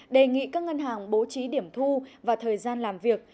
đề nghị các ngân hàng bố trí điểm thu và thời gian làm việc